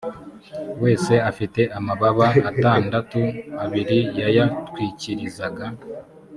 wese afite amababa atandatu abiri yayatwikirizaga